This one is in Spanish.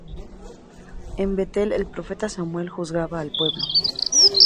En Betel el profeta Samuel juzgaba al pueblo.